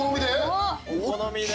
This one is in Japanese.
お好みで？